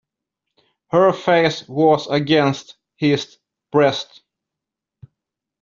Her face was against his breast.